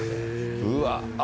うわっ。